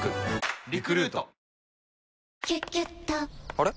あれ？